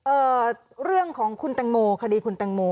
เอ่อเรื่องของคุณแตงโมคดีคุณแตงโม